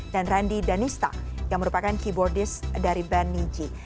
dan randy danista yang merupakan keyboardist dari band niji